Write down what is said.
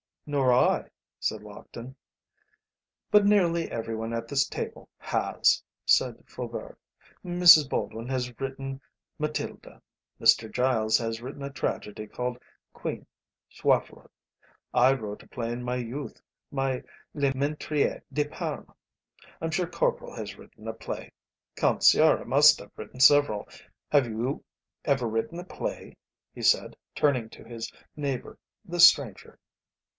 "Nor I," said Lockton. "But nearly everyone at this table has," said Faubourg. "Mrs. Baldwin has written 'Matilda,' Mr. Giles has written a tragedy called 'Queen Swaflod,' I wrote a play in my youth, my 'Le Menetrier de Parme'; I'm sure Corporal has written a play. Count Sciarra must have written several; have you ever written a play?" he said, turning to his neighbour, the stranger.